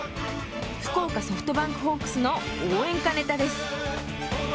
福岡ソフトバンクホークスの応援歌ネタです。